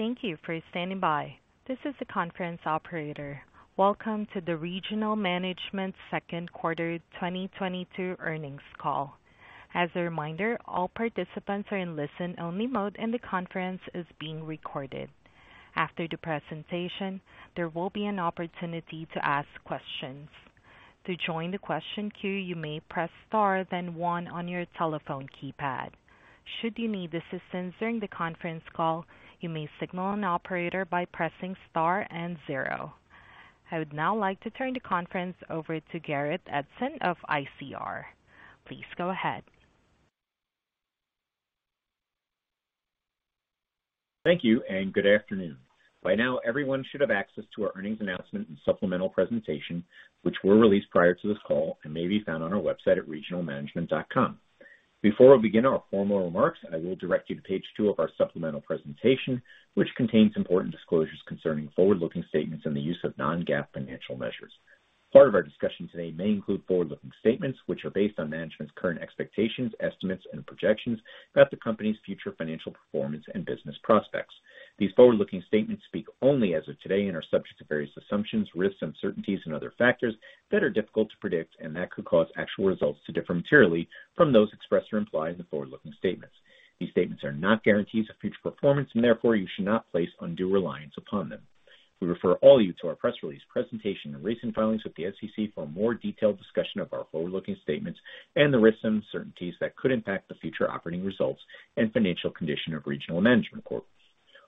Thank you for standing by. This is the conference operator. Welcome to the Regional Management Second Quarter 2022 earnings call. As a reminder, all participants are in listen-only mode, and the conference is being recorded. After the presentation, there will be an opportunity to ask questions. To join the question queue, you may press star then one on your telephone keypad. Should you need assistance during the conference call, you may signal an operator by pressing star and zero. I would now like to turn the conference over to Garrett Edson of ICR. Please go ahead. Thank you and good afternoon. By now, everyone should have access to our earnings announcement and supplemental presentation, which were released prior to this call and may be found on our website at regionalmanagement.com. Before we begin our formal remarks, I will direct you to page two of our supplemental presentation, which contains important disclosures concerning forward-looking statements and the use of non-GAAP financial measures. Part of our discussion today may include forward-looking statements, which are based on management's current expectations, estimates, and projections about the company's future financial performance and business prospects. These forward-looking statements speak only as of today and are subject to various assumptions, risks, uncertainties, and other factors that are difficult to predict and that could cause actual results to differ materially from those expressed or implied in the forward-looking statements. These statements are not guarantees of future performance and therefore you should not place undue reliance upon them. We refer you all to our press release presentation and recent filings with the SEC for a more detailed discussion of our forward-looking statements and the risks and uncertainties that could impact the future operating results and financial condition of Regional Management Corp.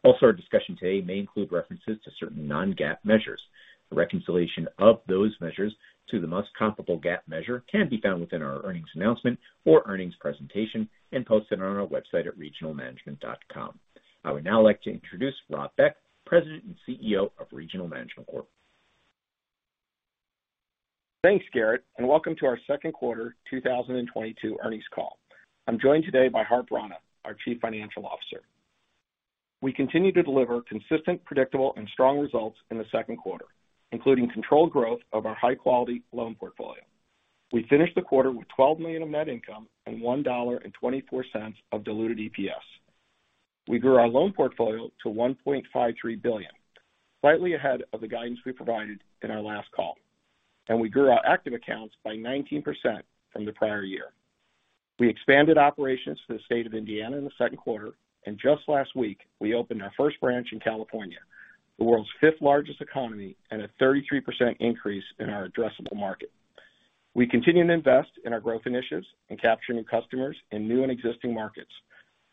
Our discussion today may include references to certain non-GAAP measures. The reconciliation of those measures to the most comparable GAAP measure can be found within our earnings announcement or earnings presentation and posted on our website at regionalmanagement.com. I would now like to introduce Robert Beck, President and CEO of Regional Management Corp. Thanks, Garrett, and welcome to our second quarter 2022 earnings call. I'm joined today by Harp Rana, our Chief Financial Officer. We continue to deliver consistent, predictable, and strong results in the second quarter, including controlled growth of our high-quality loan portfolio. We finished the quarter with $12 million of net income and $1.24 of diluted EPS. We grew our loan portfolio to $1.53 billion, slightly ahead of the guidance we provided in our last call. We grew our active accounts by 19% from the prior year. We expanded operations to the state of Indiana in the second quarter, and just last week, we opened our first branch in California, the world's fifth-largest economy and a 33% increase in our addressable market. We continue to invest in our growth initiatives and capture new customers in new and existing markets.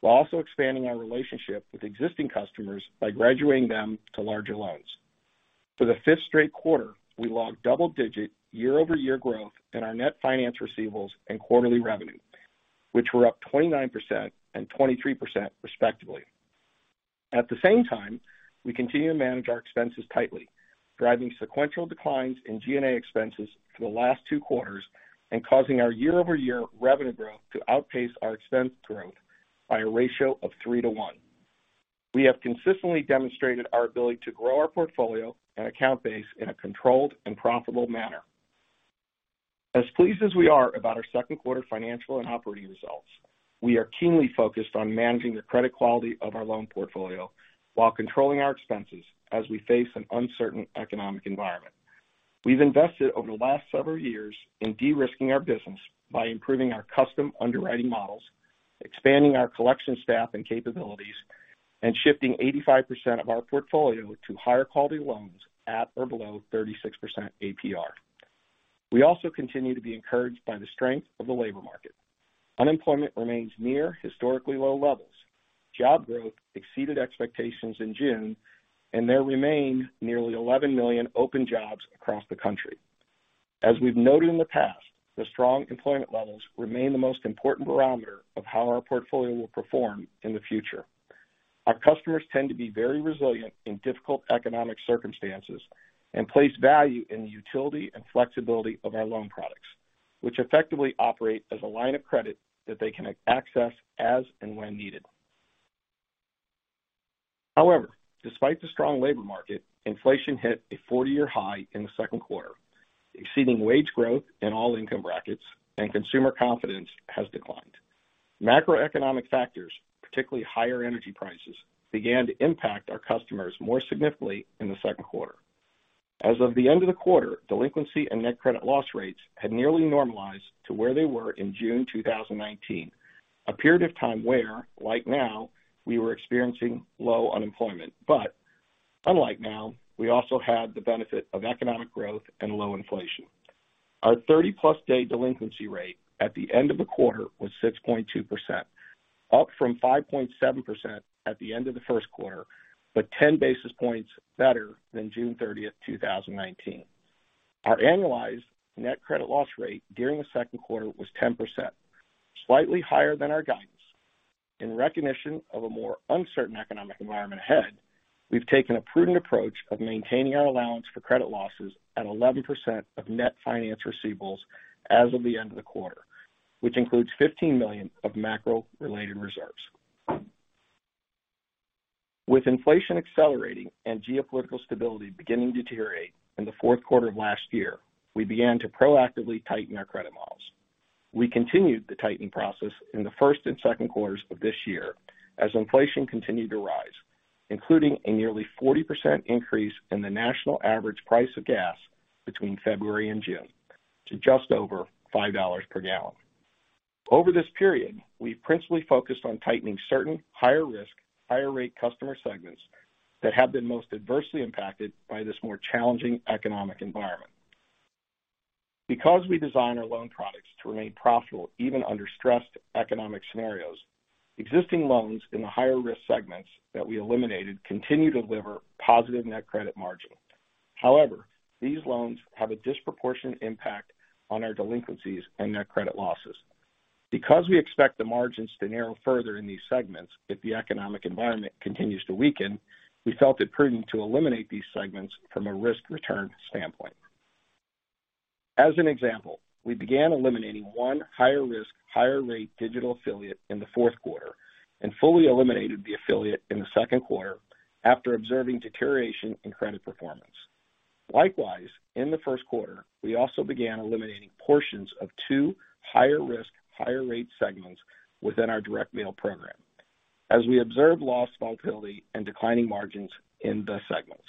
We're also expanding our relationship with existing customers by graduating them to larger loans. For the fifth straight quarter, we logged double-digit year-over-year growth in our Net Finance Receivables and quarterly revenue, which were up 29% and 23% respectively. At the same time, we continue to manage our expenses tightly, driving sequential declines in G&A expenses for the last two quarters and causing our year-over-year revenue growth to outpace our expense growth by a ratio of 3-to-1. We have consistently demonstrated our ability to grow our portfolio and account base in a controlled and profitable manner. As pleased as we are about our second quarter financial and operating results, we are keenly focused on managing the credit quality of our loan portfolio while controlling our expenses as we face an uncertain economic environment. We've invested over the last several years in de-risking our business by improving our custom underwriting models, expanding our collection staff and capabilities, and shifting 85% of our portfolio to higher quality loans at or below 36% APR. We also continue to be encouraged by the strength of the labor market. Unemployment remains near historically low levels. Job growth exceeded expectations in June, and there remain nearly 11 million open jobs across the country. As we've noted in the past, the strong employment levels remain the most important barometer of how our portfolio will perform in the future. Our customers tend to be very resilient in difficult economic circumstances and place value in the utility and flexibility of our loan products, which effectively operate as a line of credit that they can access as and when needed. However, despite the strong labor market, inflation hit a 40-year high in the second quarter, exceeding wage growth in all income brackets, and consumer confidence has declined. Macroeconomic factors, particularly higher energy prices, began to impact our customers more significantly in the second quarter. As of the end of the quarter, delinquency and net credit loss rates had nearly normalized to where they were in June 2019. A period of time where, like now, we were experiencing low unemployment. Unlike now, we also had the benefit of economic growth and low inflation. Our 30+ day delinquency rate at the end of the quarter was 6.2%, up from 5.7% at the end of the first quarter, but 10 basis points better than June 30th, 2019. Our annualized net credit loss rate during the second quarter was 10%, slightly higher than our guidance. In recognition of a more uncertain economic environment ahead, we've taken a prudent approach of maintaining our allowance for credit losses at 11% of net finance receivables as of the end of the quarter, which includes $15 million of macro-related reserves. With inflation accelerating and geopolitical stability beginning to deteriorate in the fourth quarter of last year, we began to proactively tighten our credit models. We continued the tightening process in the first and second quarters of this year as inflation continued to rise, including a nearly 40% increase in the national average price of gas between February and June to just over $5 per gallon. Over this period, we principally focused on tightening certain higher risk, higher rate customer segments that have been most adversely impacted by this more challenging economic environment. Because we design our loan products to remain profitable even under stressed economic scenarios, existing loans in the higher risk segments that we eliminated continue to deliver positive net credit margin. However, these loans have a disproportionate impact on our delinquencies and net credit losses. Because we expect the margins to narrow further in these segments if the economic environment continues to weaken, we felt it prudent to eliminate these segments from a risk return standpoint. As an example, we began eliminating one higher risk, higher rate digital affiliate in the fourth quarter and fully eliminated the affiliate in the second quarter after observing deterioration in credit performance. Likewise, in the first quarter, we also began eliminating portions of two higher risk, higher rate segments within our direct mail program as we observed loss volatility and declining margins in the segments.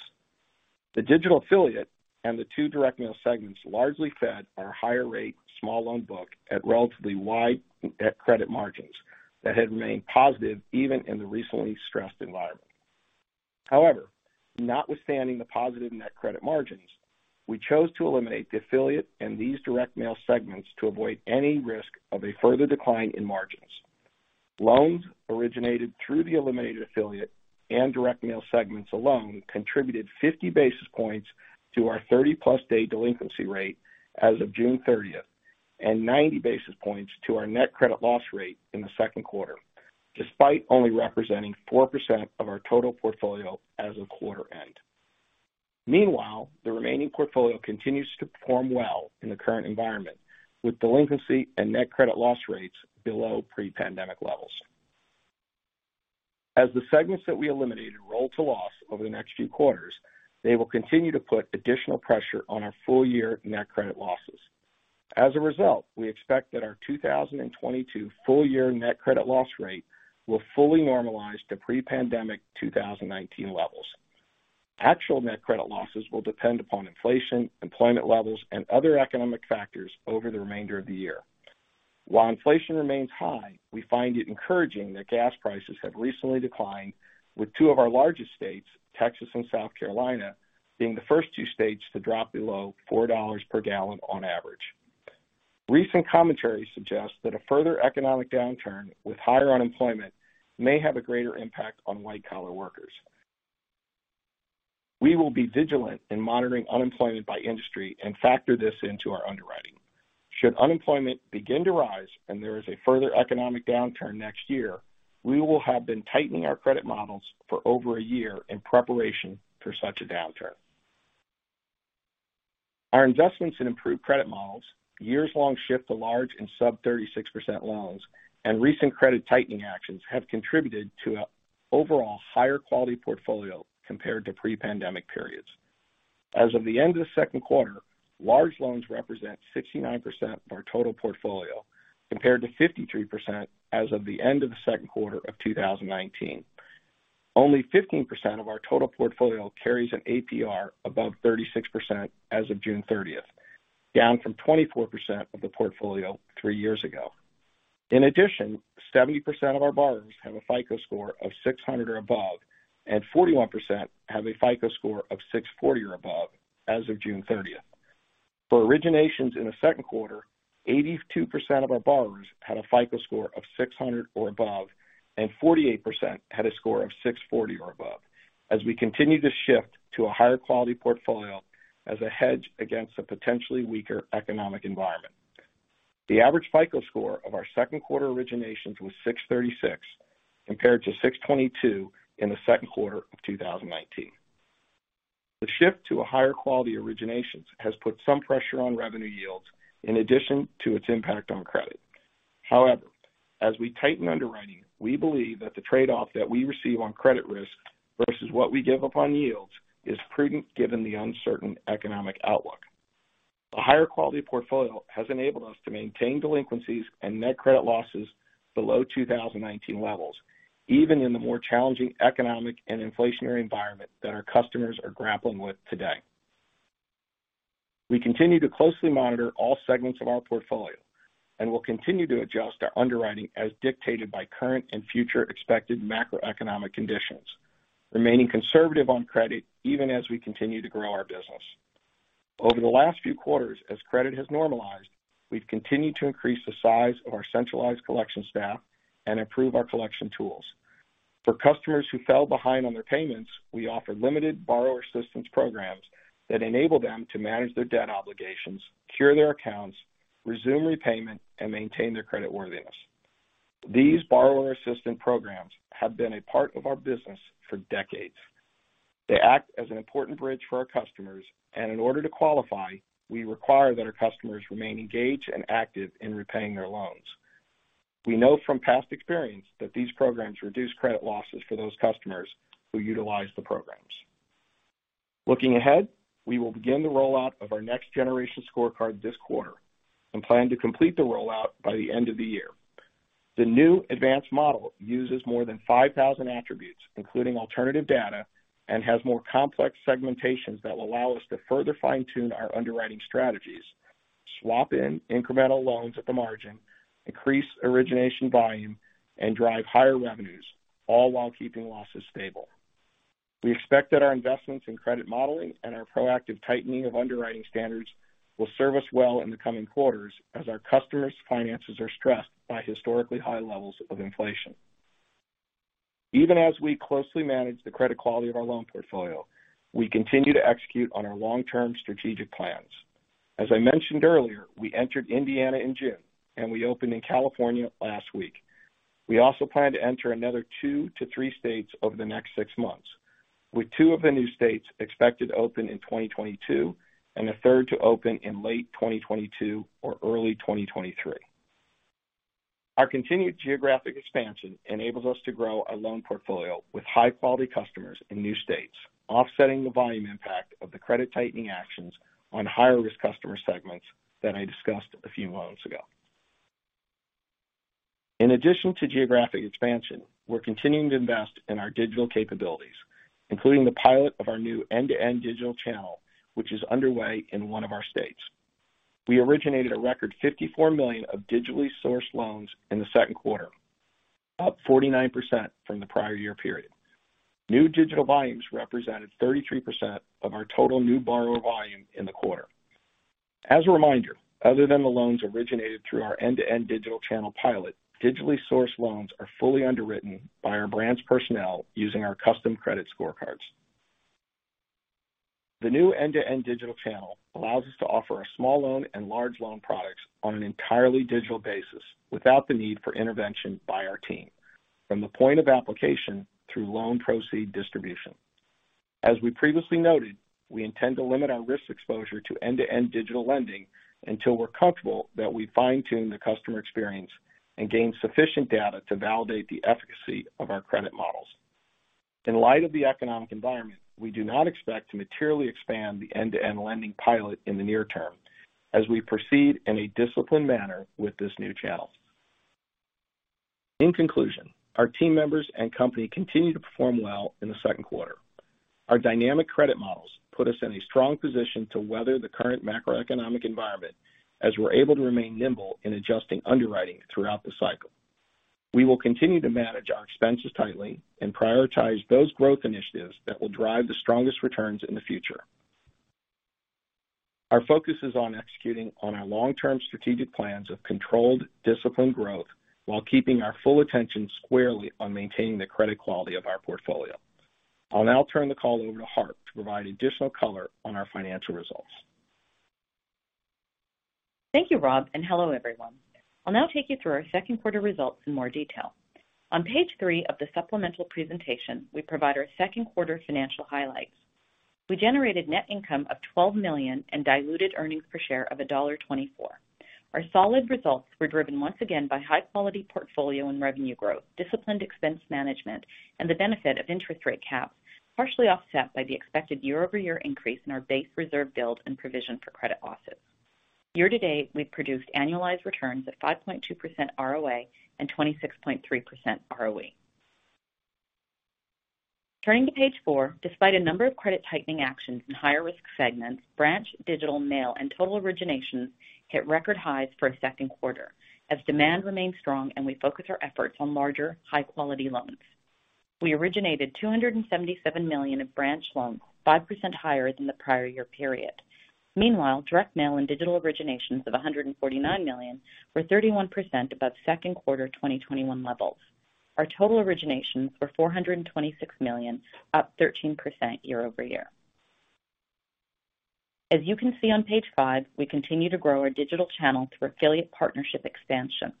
The digital affiliate and the two direct mail segments largely fed our higher rate small loan book at relatively wide at credit margins that had remained positive even in the recently stressed environment. However, notwithstanding the positive net credit margins, we chose to eliminate the affiliate and these direct mail segments to avoid any risk of a further decline in margins. Loans originated through the eliminated affiliate and direct mail segments alone contributed 50 basis points to our 30-plus day delinquency rate as of June 30th, and 90 basis points to our net credit loss rate in the second quarter, despite only representing 4% of our total portfolio as of quarter end. Meanwhile, the remaining portfolio continues to perform well in the current environment, with delinquency and net credit loss rates below pre-pandemic levels. As the segments that we eliminated roll to loss over the next few quarters, they will continue to put additional pressure on our full year net credit losses. As a result, we expect that our 2022 full year Net Credit Loss Rate will fully normalize to pre-pandemic 2019 levels. Actual net credit losses will depend upon inflation, employment levels, and other economic factors over the remainder of the year. While inflation remains high, we find it encouraging that gas prices have recently declined, with two of our largest states, Texas and South Carolina, being the first two states to drop below $4 per gallon on average. Recent commentary suggests that a further economic downturn with higher unemployment may have a greater impact on white-collar workers. We will be vigilant in monitoring unemployment by industry and factor this into our underwriting. Should unemployment begin to rise and there is a further economic downturn next year, we will have been tightening our credit models for over a year in preparation for such a downturn. Our investments in improved credit models, years-long shift to large and sub-36% loans, and recent credit tightening actions have contributed to an overall higher quality portfolio compared to pre-pandemic periods. As of the end of the second quarter, large loans represent 69% of our total portfolio, compared to 53% as of the end of the second quarter of 2019. Only 15% of our total portfolio carries an APR above 36% as of June 30th, down from 24% of the portfolio three years ago. In addition, 70% of our borrowers have a FICO score of 600 or above, and 41% have a FICO score of 640 or above as of June 30th. For originations in the second quarter, 82% of our borrowers had a FICO score of 600 or above, and 48% had a score of 640 or above as we continue to shift to a higher quality portfolio as a hedge against a potentially weaker economic environment. The average FICO score of our second quarter originations was 636, compared to 622 in the second quarter of 2019. The shift to a higher quality originations has put some pressure on revenue yields in addition to its impact on credit. However, as we tighten underwriting, we believe that the trade-off that we receive on credit risk versus what we give up on yields is prudent given the uncertain economic outlook. A higher quality portfolio has enabled us to maintain delinquencies and net credit losses below 2019 levels, even in the more challenging economic and inflationary environment that our customers are grappling with today. We continue to closely monitor all segments of our portfolio and will continue to adjust our underwriting as dictated by current and future expected macroeconomic conditions, remaining conservative on credit even as we continue to grow our business. Over the last few quarters, as credit has normalized, we've continued to increase the size of our centralized collection staff and improve our collection tools. For customers who fell behind on their payments, we offer limited borrower assistance programs that enable them to manage their debt obligations, cure their accounts, resume repayment, and maintain their credit worthiness. These borrower assistance programs have been a part of our business for decades. They act as an important bridge for our customers. In order to qualify, we require that our customers remain engaged and active in repaying their loans. We know from past experience that these programs reduce credit losses for those customers who utilize the programs. Looking ahead, we will begin the rollout of our next generation scorecard this quarter and plan to complete the rollout by the end of the year. The new advanced model uses more than 5,000 attributes, including alternative data, and has more complex segmentations that will allow us to further fine-tune our underwriting strategies, swap in incremental loans at the margin, increase origination volume, and drive higher revenues, all while keeping losses stable. We expect that our investments in credit modeling and our proactive tightening of underwriting standards will serve us well in the coming quarters as our customers' finances are stressed by historically high levels of inflation. Even as we closely manage the credit quality of our loan portfolio, we continue to execute on our long-term strategic plans. As I mentioned earlier, we entered Indiana in June, and we opened in California last week. We also plan to enter another 2-3 states over the next six months, with two of the new states expected to open in 2022 and a third to open in late 2022 or early 2023. Our continued geographic expansion enables us to grow our loan portfolio with high-quality customers in new states, offsetting the volume impact of the credit tightening actions on higher-risk customer segments that I discussed a few moments ago. In addition to geographic expansion, we're continuing to invest in our digital capabilities, including the pilot of our new end-to-end digital channel, which is underway in one of our states. We originated a record $54 million of digitally sourced loans in the second quarter, up 49% from the prior year period. New digital volumes represented 33% of our total new borrower volume in the quarter. As a reminder, other than the loans originated through our end-to-end digital channel pilot, digitally sourced loans are fully underwritten by our branch personnel using our custom credit scorecards. The new end-to-end digital channel allows us to offer our small loan and large loan products on an entirely digital basis without the need for intervention by our team from the point of application through loan proceed distribution. As we previously noted, we intend to limit our risk exposure to end-to-end digital lending until we're comfortable that we fine-tune the customer experience and gain sufficient data to validate the efficacy of our credit models. In light of the economic environment, we do not expect to materially expand the end-to-end lending pilot in the near term as we proceed in a disciplined manner with this new channel. In conclusion, our team members and company continued to perform well in the second quarter. Our dynamic credit models put us in a strong position to weather the current macroeconomic environment as we're able to remain nimble in adjusting underwriting throughout the cycle. We will continue to manage our expenses tightly and prioritize those growth initiatives that will drive the strongest returns in the future. Our focus is on executing on our long-term strategic plans of controlled, disciplined growth while keeping our full attention squarely on maintaining the credit quality of our portfolio. I'll now turn the call over to Harp to provide additional color on our financial results. Thank you, Rob, and hello, everyone. I'll now take you through our second quarter results in more detail. On page 3 of the supplemental presentation, we provide our second quarter financial highlights. We generated net income of $12 million and diluted earnings per share of $1.24. Our solid results were driven once again by high-quality portfolio and revenue growth, disciplined expense management, and the benefit of interest rate caps, partially offset by the expected year-over-year increase in our base reserve build and provision for credit losses. Year to date, we've produced annualized returns of 5.2% ROA and 26.3% ROE. Turning to page 4, despite a number of credit tightening actions in higher risk segments, branch, digital, mail, and total originations hit record highs for a second quarter as demand remained strong and we focus our efforts on larger, high-quality loans. We originated $277 million of branch loans, 5% higher than the prior year period. Meanwhile, direct mail and digital originations of $149 million were 31% above second quarter 2021 levels. Our total originations were $426 million, up 13% year-over-year. As you can see on page 5, we continue to grow our digital channel through affiliate partnership expansion.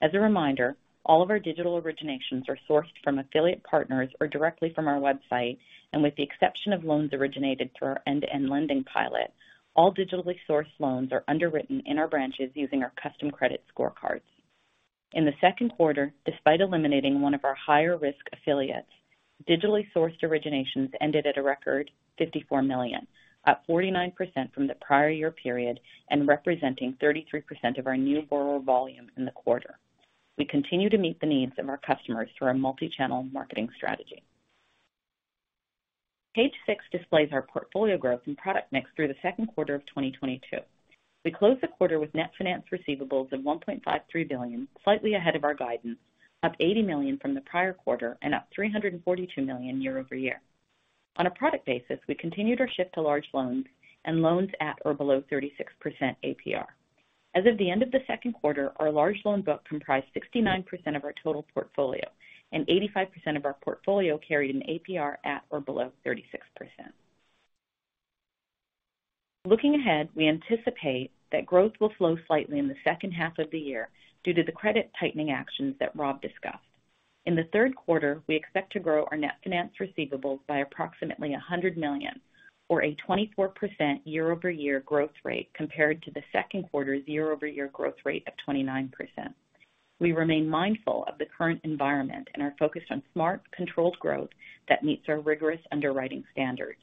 As a reminder, all of our digital originations are sourced from affiliate partners or directly from our website, and with the exception of loans originated through our end-to-end lending pilot, all digitally sourced loans are underwritten in our branches using our custom credit scorecards. In the second quarter, despite eliminating one of our higher-risk affiliates, digitally sourced originations ended at a record $54 million, up 49% from the prior year period and representing 33% of our new borrower volume in the quarter. We continue to meet the needs of our customers through our multi-channel marketing strategy. Page 6 displays our portfolio growth and product mix through the second quarter of 2022. We closed the quarter with Net Finance Receivables of $1.53 billion, slightly ahead of our guidance, up $80 million from the prior quarter and up $342 million year-over-year. On a product basis, we continued our shift to large loans and loans at or below 36% APR. As of the end of the second quarter, our large loan book comprised 69% of our total portfolio, and 85% of our portfolio carried an APR at or below 36%. Looking ahead, we anticipate that growth will flow slightly in the second half of the year due to the credit tightening actions that Rob discussed. In the third quarter, we expect to grow our net finance receivables by approximately $100 million or a 24% year-over-year growth rate compared to the second quarter's year-over-year growth rate of 29%. We remain mindful of the current environment and are focused on smart, controlled growth that meets our rigorous underwriting standards.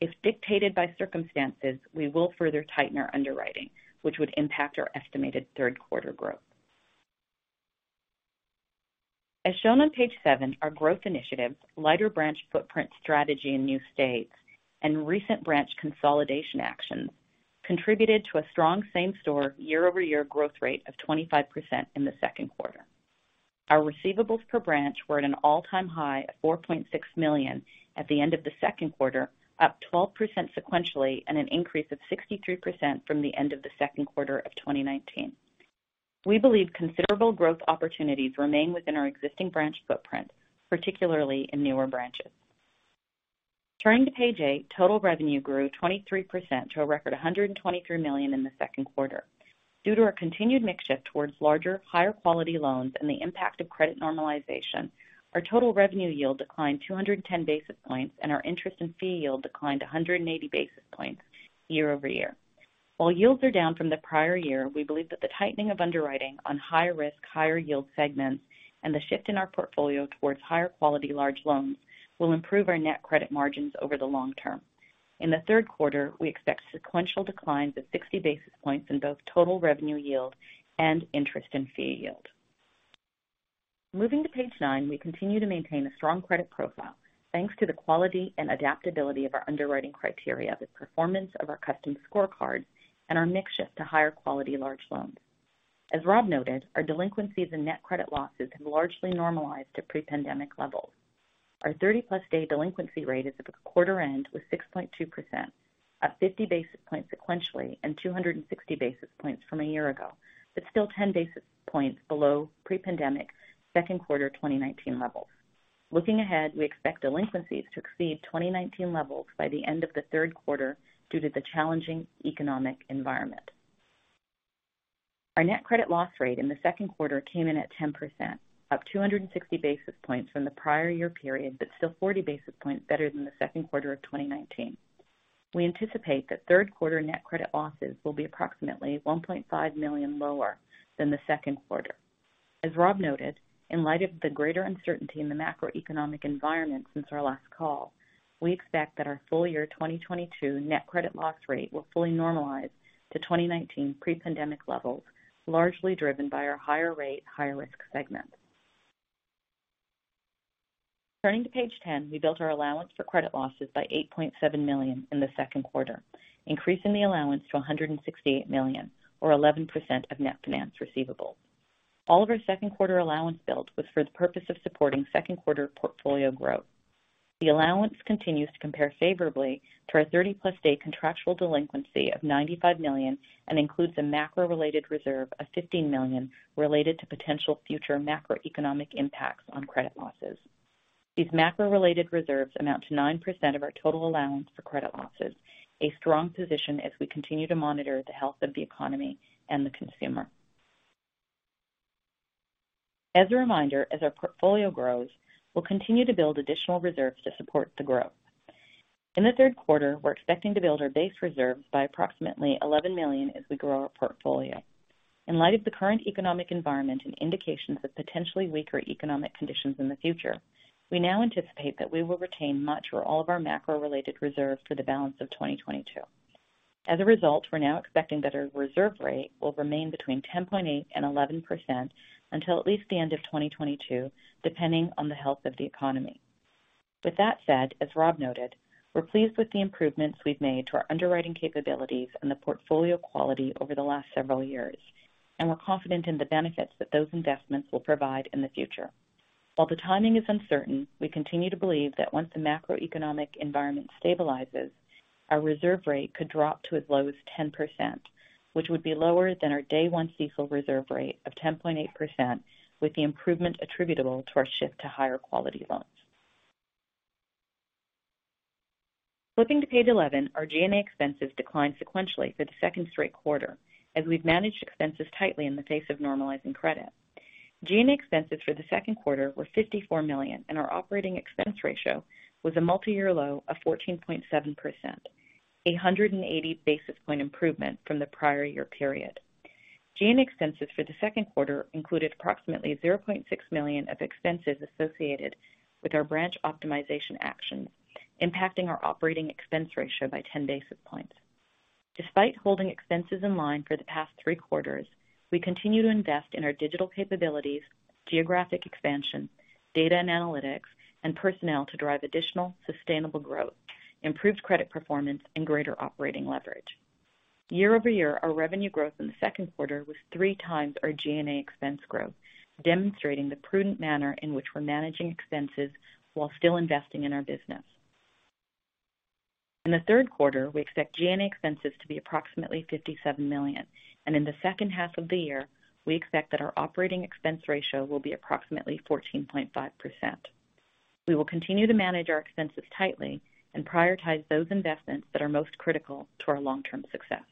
If dictated by circumstances, we will further tighten our underwriting, which would impact our estimated third quarter growth. As shown on page 7, our growth initiatives, lighter branch footprint strategy in new states, and recent branch consolidation actions contributed to a strong same-store year-over-year growth rate of 25% in the second quarter. Our receivables per branch were at an all-time high at $4.6 million at the end of the second quarter, up 12% sequentially and an increase of 63% from the end of the second quarter of 2019. We believe considerable growth opportunities remain within our existing branch footprint, particularly in newer branches. Turning to page eight, total revenue grew 23% to a record $123 million in the second quarter. Due to our continued mix shift towards larger, higher quality loans and the impact of credit normalization, our total revenue yield declined 210 basis points and our interest in fee yield declined 180 basis points year-over-year. While yields are down from the prior year, we believe that the tightening of underwriting on higher risk, higher yield segments and the shift in our portfolio towards higher quality large loans will improve our net credit margins over the long term. In the third quarter, we expect sequential declines of 60 basis points in both total revenue yield and interest in fee yield. Moving to page 9. We continue to maintain a strong credit profile, thanks to the quality and adaptability of our underwriting criteria, the performance of our custom scorecard and our mix shift to higher quality large loans. As Rob noted, our delinquencies and net credit losses have largely normalized to pre-pandemic levels. Our 30+ day delinquency rate as of the quarter end was 6.2%, up 50 basis points sequentially and 260 basis points from a year ago, but still 10 basis points below pre-pandemic second quarter 2019 levels. Looking ahead, we expect delinquencies to exceed 2019 levels by the end of the third quarter due to the challenging economic environment. Our net credit loss rate in the second quarter came in at 10%, up 260 basis points from the prior year period, but still 40 basis points better than the second quarter of 2019. We anticipate that third quarter net credit losses will be approximately $1.5 million lower than the second quarter. As Rob noted, in light of the greater uncertainty in the macroeconomic environment since our last call, we expect that our full year 2022 net credit loss rate will fully normalize to 2019 pre-pandemic levels, largely driven by our higher-rate, higher-risk segment. Turning to page 10. We built our allowance for credit losses by $8.7 million in the second quarter, increasing the allowance to $168 million or 11% of net finance receivables. All of our second quarter allowance built was for the purpose of supporting second quarter portfolio growth. The allowance continues to compare favorably to our 30-plus day contractual delinquency of $95 million and includes a macro-related reserve of $15 million related to potential future macroeconomic impacts on credit losses. These macro-related reserves amount to 9% of our total Allowance for Credit Losses, a strong position as we continue to monitor the health of the economy and the consumer. As a reminder, as our portfolio grows, we'll continue to build additional reserves to support the growth. In the third quarter, we're expecting to build our base reserves by approximately $11 million as we grow our portfolio. In light of the current economic environment and indications of potentially weaker economic conditions in the future, we now anticipate that we will retain much or all of our macro-related reserves for the balance of 2022. As a result, we're now expecting that our reserve rate will remain between 10.8% and 11% until at least the end of 2022, depending on the health of the economy. With that said, as Rob noted, we're pleased with the improvements we've made to our underwriting capabilities and the portfolio quality over the last several years, and we're confident in the benefits that those investments will provide in the future. While the timing is uncertain, we continue to believe that once the macroeconomic environment stabilizes, our reserve rate could drop to as low as 10%, which would be lower than our day one CECL reserve rate of 10.8%, with the improvement attributable to our shift to higher quality loans. Flipping to page 11. Our G&A expenses declined sequentially for the second straight quarter as we've managed expenses tightly in the face of normalizing credit. G&A expenses for the second quarter were $54 million, and our operating expense ratio was a multi-year low of 14.7%, a 180 basis points improvement from the prior year period. G&A expenses for the second quarter included approximately $0.6 million of expenses associated with our branch optimization actions, impacting our operating expense ratio by 10 basis points. Despite holding expenses in line for the past three quarters, we continue to invest in our digital capabilities, geographic expansion, data and analytics, and personnel to drive additional sustainable growth, improved credit performance and greater operating leverage. Year-over-year, our revenue growth in the second quarter was three times our G&A expense growth, demonstrating the prudent manner in which we're managing expenses while still investing in our business. In the third quarter, we expect G&A expenses to be approximately $57 million. In the second half of the year, we expect that our operating expense ratio will be approximately 14.5%. We will continue to manage our expenses tightly and prioritize those investments that are most critical to our long-term success.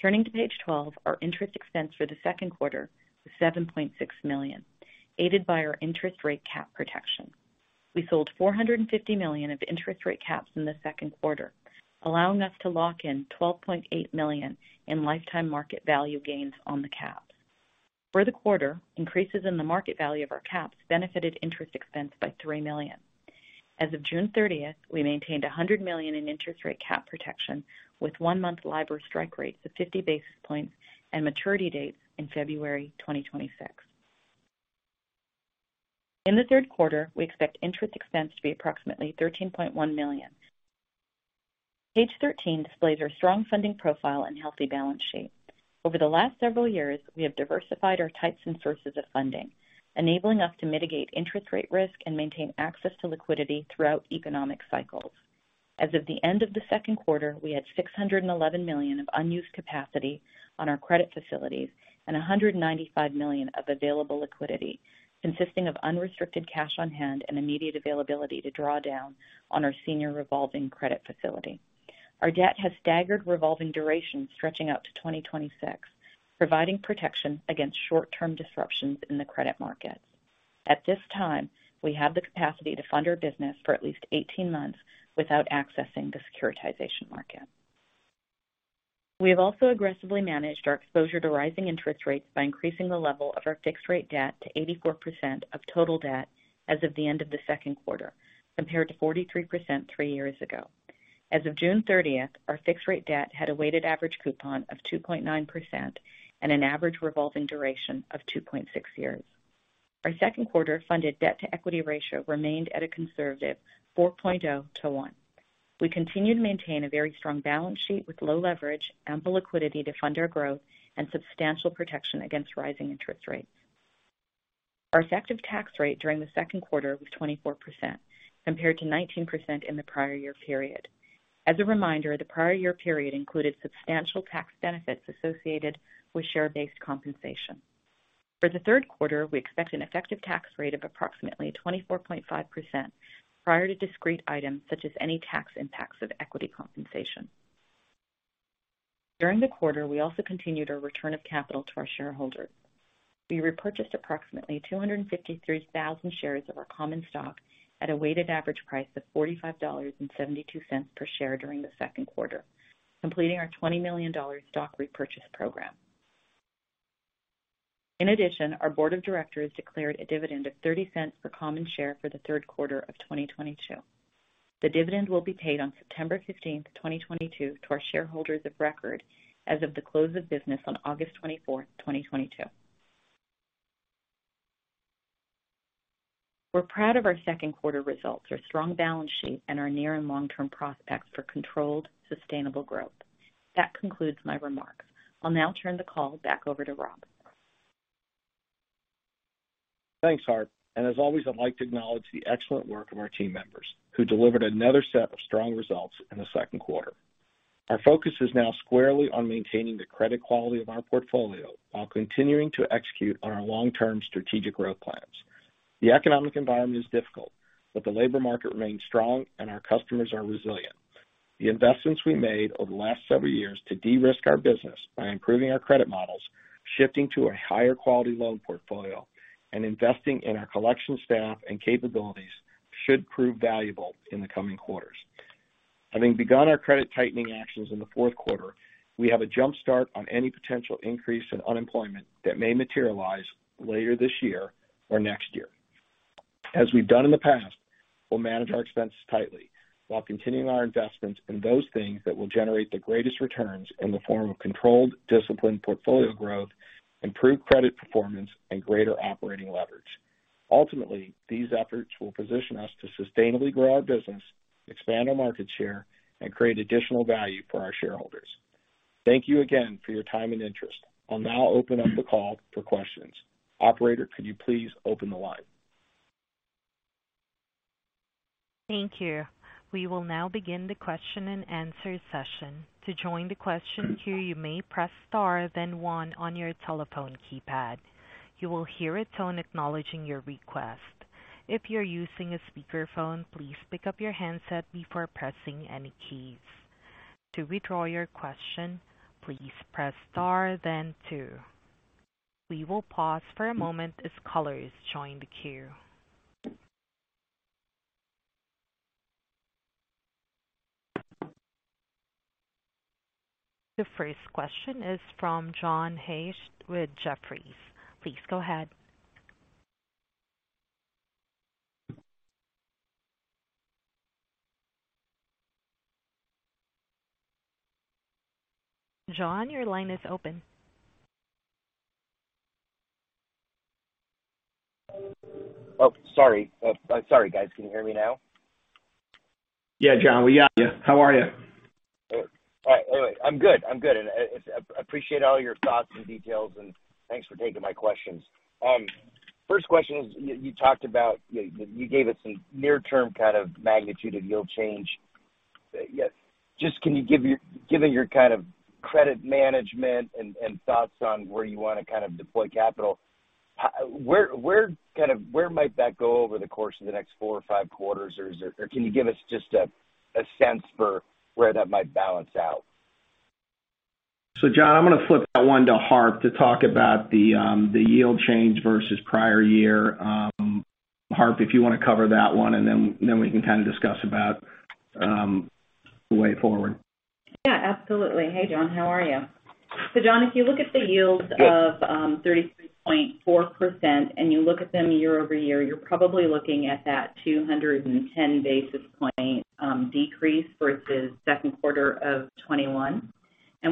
Turning to page 12. Our interest expense for the second quarter was $7.6 million, aided by our interest rate cap protection. We sold $450 million of interest rate caps in the second quarter, allowing us to lock in $12.8 million in lifetime market value gains on the caps. For the quarter, increases in the market value of our caps benefited interest expense by $3 million. As of June thirtieth, we maintained $100 million in interest rate cap protection with one-month LIBOR strike rates of 50 basis points and maturity dates in February 2026. In the third quarter, we expect interest expense to be approximately $13.1 million. Page 13 displays our strong funding profile and healthy balance sheet. Over the last several years, we have diversified our types and sources of funding, enabling us to mitigate interest rate risk and maintain access to liquidity throughout economic cycles. As of the end of the second quarter, we had $611 million of unused capacity on our credit facilities and $195 million of available liquidity, consisting of unrestricted cash on hand and immediate availability to draw down on our senior revolving credit facility. Our debt has staggered revolving duration stretching out to 2026, providing protection against short-term disruptions in the credit markets. At this time, we have the capacity to fund our business for at least 18 months without accessing the securitization market. We have also aggressively managed our exposure to rising interest rates by increasing the level of our fixed rate debt to 84% of total debt as of the end of the second quarter, compared to 43% three years ago. As of June 30, our fixed rate debt had a weighted average coupon of 2.9% and an average revolving duration of 2.6 years. Our second quarter Funded Debt-to-Equity Ratio remained at a conservative 4.0 to 1. We continue to maintain a very strong balance sheet with low leverage, ample liquidity to fund our growth and substantial protection against rising interest rates. Our effective tax rate during the second quarter was 24% compared to 19% in the prior year period. As a reminder, the prior year period included substantial tax benefits associated with share-based compensation. For the third quarter, we expect an effective tax rate of approximately 24.5% prior to discrete items such as any tax impacts of equity compensation. During the quarter, we also continued our return of capital to our shareholders. We repurchased approximately 253,000 shares of our common stock at a weighted average price of $45.72 per share during the second quarter, completing our $20 million stock repurchase program. In addition, our board of directors declared a dividend of $0.30 per common share for the third quarter of 2022. The dividend will be paid on September fifteenth, 2022, to our shareholders of record as of the close of business on August twenty-fourth, 2022. We're proud of our second quarter results, our strong balance sheet and our near and long-term prospects for controlled, sustainable growth. That concludes my remarks. I'll now turn the call back over to Rob. Thanks, Harp Rana. As always, I'd like to acknowledge the excellent work of our team members who delivered another set of strong results in the second quarter. Our focus is now squarely on maintaining the credit quality of our portfolio while continuing to execute on our long-term strategic growth plans. The economic environment is difficult, but the labor market remains strong and our customers are resilient. The investments we made over the last several years to de-risk our business by improving our credit models, shifting to a higher quality loan portfolio, and investing in our collection staff and capabilities should prove valuable in the coming quarters. Having begun our credit tightening actions in the fourth quarter, we have a jump start on any potential increase in unemployment that may materialize later this year or next year. As we've done in the past, we'll manage our expenses tightly while continuing our investments in those things that will generate the greatest returns in the form of controlled, disciplined portfolio growth, improved credit performance and greater operating leverage. Ultimately, these efforts will position us to sustainably grow our business, expand our market share and create additional value for our shareholders. Thank you again for your time and interest. I'll now open up the call for questions. Operator, could you please open the line? Thank you. We will now begin the question-and-answer session. To join the question queue, you may press star then one on your telephone keypad. You will hear a tone acknowledging your request. If you're using a speakerphone, please pick up your handset before pressing any keys. To withdraw your question, please press star then two. We will pause for a moment as callers join the queue. The first question is from John Hecht with Jefferies. Please go ahead. John, your line is open. Oh, sorry. Sorry, guys. Can you hear me now? Yeah, John, we got you. How are you? All right. I'm good. I'm good. I appreciate all your thoughts and details, and thanks for taking my questions. First question is, you gave us some near-term kind of magnitude of yield change. Given your kind of credit management and thoughts on where you want to kind of deploy capital, where might that go over the course of the next four or five quarters? Or can you give us just a sense for where that might balance out? John, I'm gonna flip that one to Harp to talk about the yield change versus prior year. Harp, if you wanna cover that one, and then we can kind of discuss about the way forward. Yeah, absolutely. Hey, John, how are you? John, if you look at the yield of 33.4%, and you look at them year-over-year, you're probably looking at that 210 basis points decrease versus second quarter of 2021.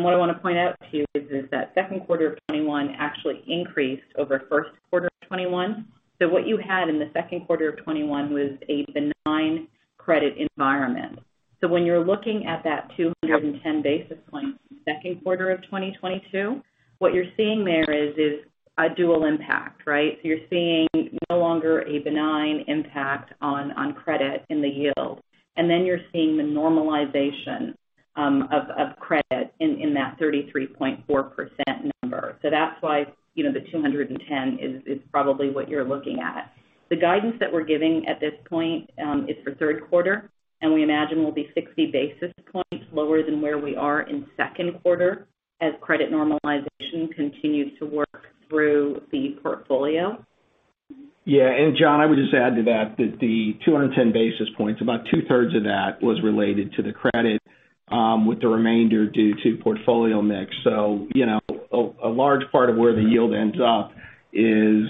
What I wanna point out to you is that second quarter of 2021 actually increased over first quarter of 2021. What you had in the second quarter of 2021 was a benign credit environment. When you're looking at that 210 basis points second quarter of 2022, what you're seeing there is a dual impact, right? You're seeing no longer a benign impact on credit in the yield, and then you're seeing the normalization of credit in that 33.4% number. That's why, you know, the 210 is probably what you're looking at. The guidance that we're giving at this point is for third quarter, and we imagine will be 60 basis points lower than where we are in second quarter as credit normalization continues to work through the portfolio. Yeah. John, I would just add to that the 210 basis points, about two-thirds of that was related to the credit, with the remainder due to portfolio mix. You know, a large part of where the yield ends up is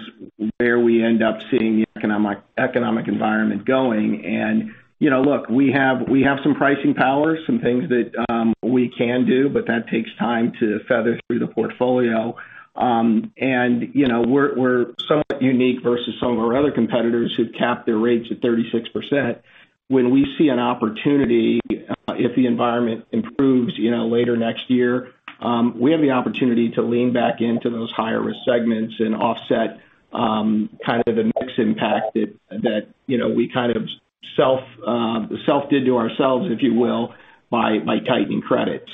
where we end up seeing the economic environment going. You know, look, we have some pricing power, some things that we can do, but that takes time to feather through the portfolio. You know, we're somewhat unique versus some of our other competitors who've capped their rates at 36%. When we see an opportunity, if the environment improves, you know, later next year, we have the opportunity to lean back into those higher risk segments and offset, kind of the mix impact that, you know, we kind of self-inflicted on ourselves, if you will, by tightening credit.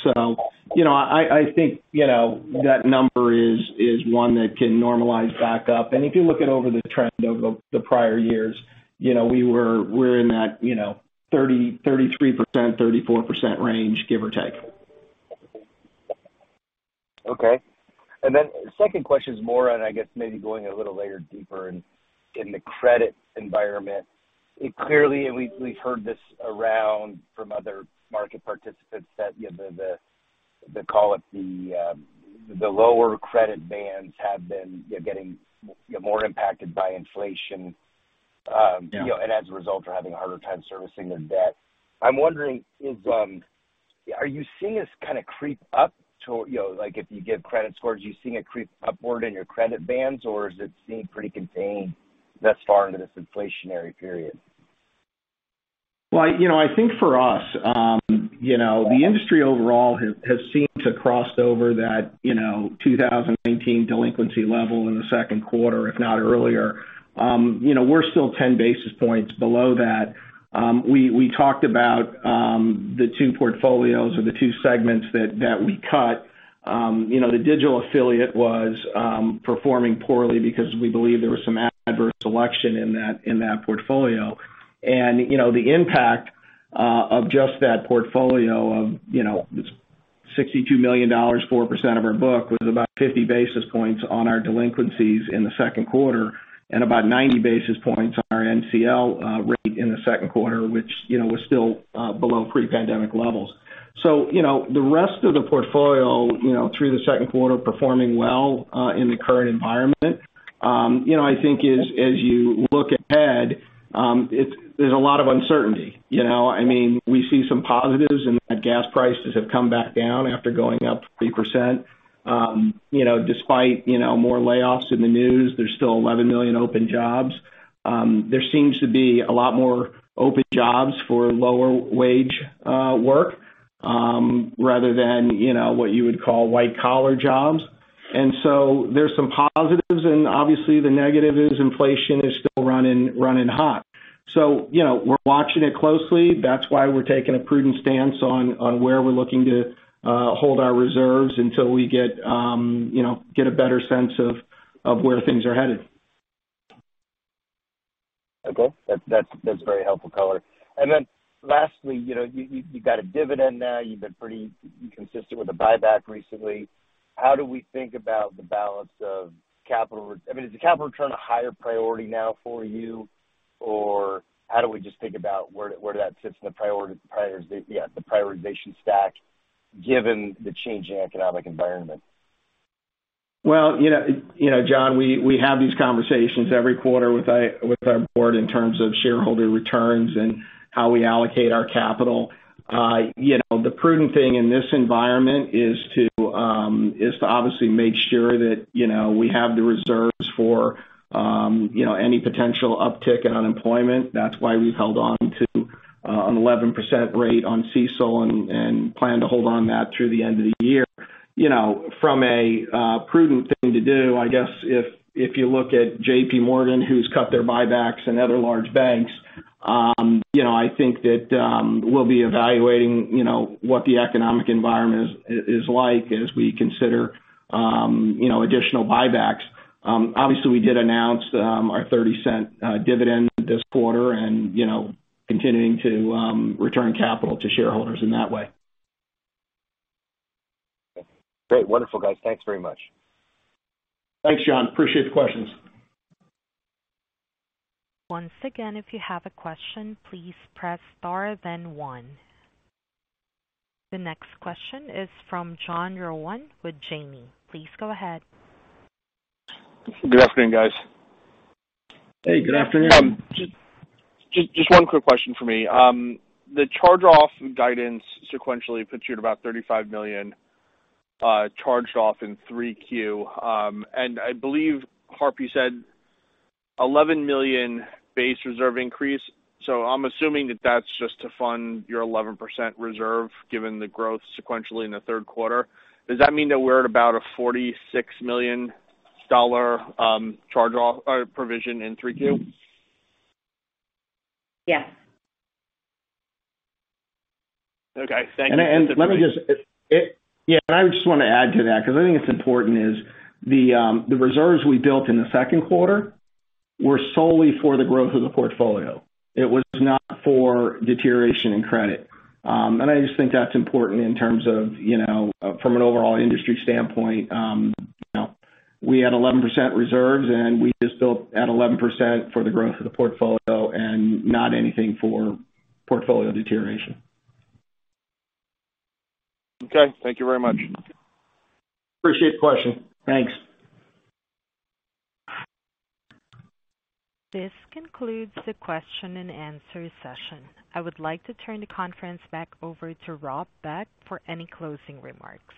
You know, I think, you know, that number is one that can normalize back up. If you look at the trend over the prior years, you know, we're in that 33%-34% range, give or take. Okay. Second question is more on, I guess, maybe going a little layer deeper in the credit environment. We've heard this around from other market participants that, you know, call it the lower credit bands have been getting more impacted by inflation. Yeah. You know, as a result are having a harder time servicing their debt. Are you seeing this kind of creep up to, you know, like if you give credit scores, are you seeing it creep upward in your credit bands, or is it seem pretty contained thus far into this inflationary period? Well, you know, I think for us, you know, the industry overall has seemed to cross over that, you know, 2019 delinquency level in the second quarter, if not earlier. You know, we're still 10 basis points below that. We talked about the two portfolios or the two segments that we cut. You know, the digital affiliate was performing poorly because we believe there was some adverse selection in that portfolio. You know, the impact of just that portfolio of, you know, $62 million, 4% of our book, was about 50 basis points on our delinquencies in the second quarter and about 90 basis points on our NCL rate in the second quarter, which, you know, was still below pre-pandemic levels. You know, the rest of the portfolio, you know, through the second quarter performing well in the current environment. You know, I think as you look ahead, there's a lot of uncertainty. You know, I mean, we see some positives in that gas prices have come back down after going up 3%. You know, despite, you know, more layoffs in the news, there's still 11 million open jobs. There seems to be a lot more open jobs for lower wage work rather than, you know, what you would call white-collar jobs. There's some positives, and obviously the negative is inflation is still running hot. You know, we're watching it closely. That's why we're taking a prudent stance on where we're looking to hold our reserves until we get you know get a better sense of where things are headed. Okay. That's very helpful color. Lastly, you know, you've got a dividend now. You've been pretty consistent with the buyback recently. How do we think about the balance of capital, I mean, is the capital return a higher priority now for you? Or how do we just think about where that sits in the prioritization stack given the changing economic environment? Well, you know, John, we have these conversations every quarter with our board in terms of shareholder returns and how we allocate our capital. You know, the prudent thing in this environment is to obviously make sure that, you know, we have the reserves for, you know, any potential uptick in unemployment. That's why we've held on to an 11% rate on CECL and plan to hold on that through the end of the year. You know, from a prudent thing to do, I guess if you look at JPMorgan, who's cut their buybacks and other large banks, you know, I think that we'll be evaluating, you know, what the economic environment is like as we consider, you know, additional buybacks. Obviously we did announce our $0.30 dividend this quarter and, you know, continuing to return capital to shareholders in that way. Great. Wonderful, guys. Thanks very much. Thanks, John. Appreciate the questions. Once again, if you have a question, please press star then one. The next question is from John Rowan with Janney. Please go ahead. Good afternoon, guys. Hey, good afternoon. Just one quick question for me. The charge-off guidance sequentially puts you at about $35 million charged off in Q3. I believe, Harp, you said $11 million base reserve increase. I'm assuming that that's just to fund your 11% reserve given the growth sequentially in the third quarter. Does that mean that we're at about a $46 million charge-off or provision in Q3? Yes. Okay. Thank you. I just wanna add to that 'cause I think it's important is the reserves we built in the second quarter were solely for the growth of the portfolio. It was not for deterioration in credit. I just think that's important in terms of, you know, from an overall industry standpoint. You know, we had 11% reserves, and we just built at 11% for the growth of the portfolio and not anything for portfolio deterioration. Okay. Thank you very much. Appreciate the question. Thanks. This concludes the question and answer session. I would like to turn the conference back over to Robert Beck for any closing remarks.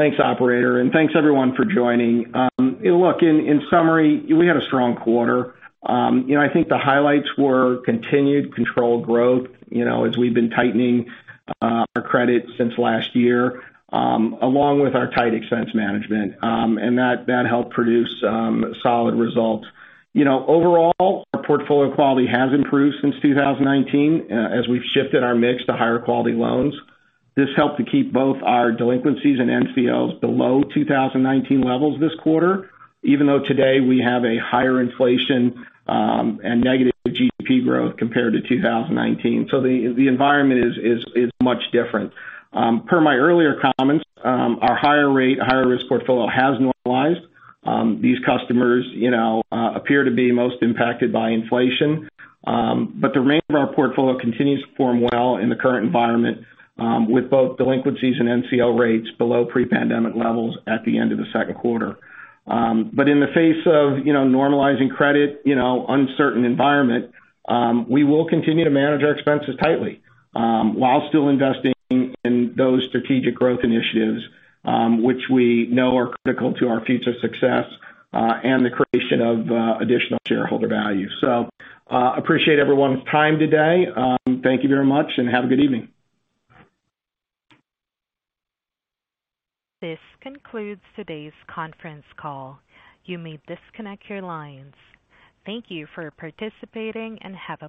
Thanks, operator, and thanks everyone for joining. Look, in summary, we had a strong quarter. You know, I think the highlights were continued controlled growth, you know, as we've been tightening our credit since last year, along with our tight expense management. That helped produce solid results. You know, overall, our portfolio quality has improved since 2019 as we've shifted our mix to higher quality loans. This helped to keep both our delinquencies and NCLs below 2019 levels this quarter, even though today we have a higher inflation and negative GDP growth compared to 2019. The environment is much different. Per my earlier comments, our higher rate, higher risk portfolio has normalized. These customers, you know, appear to be most impacted by inflation. The remainder of our portfolio continues to perform well in the current environment, with both delinquencies and NCL rates below pre-pandemic levels at the end of the second quarter. In the face of, you know, normalizing credit, you know, uncertain environment, we will continue to manage our expenses tightly, while still investing in those strategic growth initiatives, which we know are critical to our future success, and the creation of additional shareholder value. Appreciate everyone's time today. Thank you very much and have a good evening. This concludes today's conference call. You may disconnect your lines. Thank you for participating and have a great day.